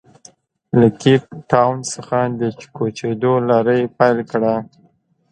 له کیپ ټاون څخه د کوچېدو لړۍ پیل کړه.